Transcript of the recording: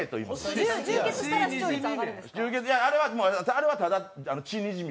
あれはただ血にじみ。